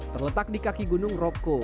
terletak di kaki gunung roko